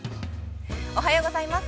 ◆おはようございます。